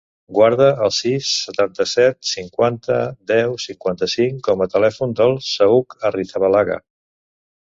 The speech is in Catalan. Guarda el sis, setanta-set, cinquanta, deu, cinquanta-cinc com a telèfon del Saüc Arrizabalaga.